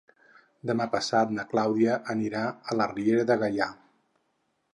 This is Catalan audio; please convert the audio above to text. Demà passat na Clàudia anirà a la Riera de Gaià.